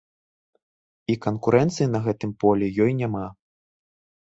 І канкурэнцыі на гэтым полі ёй няма.